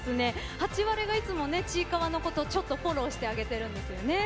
ハチワレがいつもちいかわのことをフォローしてあげてるんですよね。